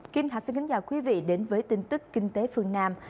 kim thạch xin kính chào quý vị đến với tin tức kinh tế phương nam